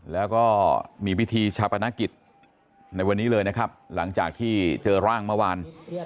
แล้วก็มีพิธีชาปนกิจในวันนี้เลยนะครับหลังจากที่เจอร่างเมื่อวาน